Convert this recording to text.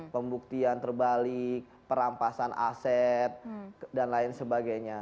pembuktian terbalik perampasan aset dan lain sebagainya